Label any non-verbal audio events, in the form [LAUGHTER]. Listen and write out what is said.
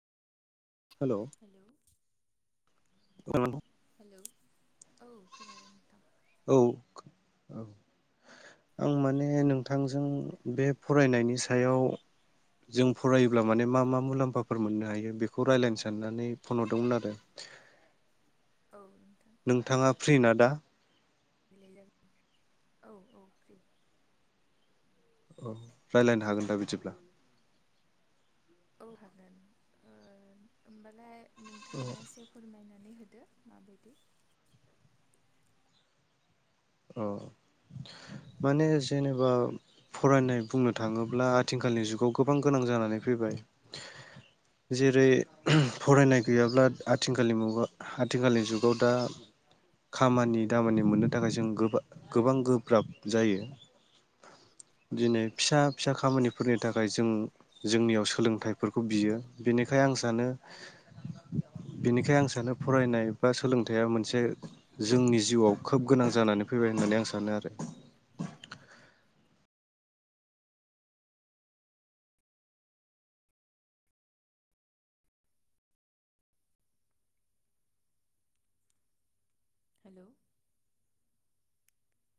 Hello हेल' [UNINTELLIGIBLE] hello औ खोनादों नोंथां। औ औ आं माने नोंथांजों बे फरायनायनि सायाव जों फरायोब्ला माने मा मा मुलाम्फाफोर मोननो हायो बेखौ रायजलायनो साननानै फन हरदोंमोन आरो। औ नोंथां नोंथाङा फ्रि ना दा? [UNINTELLIGIBLE] औ औ फ्रि औ रायलायनो हागोन दा बिदिब्ला? औ हागोन ओ होनबालाय नोंथाङा एसे फोरमायनो नै होदो माबायदि ओ माने जेनेबा फरायनाय बुंनो थाङोब्ला आथिंखालनि जुगाव गोबां गोनां जानानै फैबाय जेरै फरायनाय गैयाब्ला आथिंखालनि मुगा आथिंखालनि जुगाव दा खामानि दामानि मोननो थाखाय जों गोबा गोबां गोब्राब जायो दिनै फिसा फिसा खामानिफोरनि थाखाय जों जोंनियाव सोलोंथाइफोरखौ बियो बेनिखाय आं सानो बिनिखाय आं सानो फरायनाय बा सोलोंथाइया मोनसे जोंनि जिउआव खोब गोनां जानानै फैबाय होननानै आं सानो आरो। हेल'